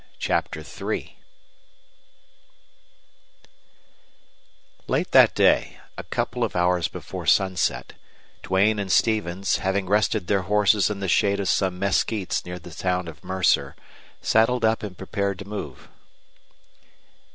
CHAPTER III Late that day, a couple of hours before sunset, Duane and Stevens, having rested their horses in the shade of some mesquites near the town of Mercer, saddled up and prepared to move.